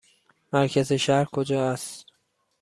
مرکز شهر کجا است؟